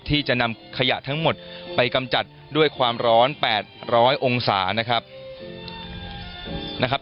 ที่จะนำขยะทั้งหมดไปกำจัดด้วยความร้อน๘๐๐องศานะครับ